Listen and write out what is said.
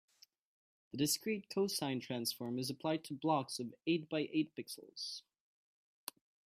The discrete cosine transform is applied to blocks of eight by eight pixels.